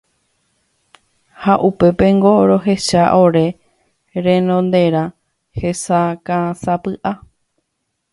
Ha upépengo rohecha ore rendonderã hesakãsapy'a.